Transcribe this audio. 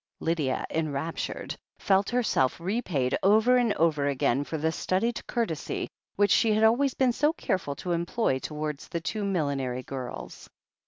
Lydia, enraptured, felt herself repaid over and over again for the studied courtesy which she had always been so careful to employ towards the two millinery girls.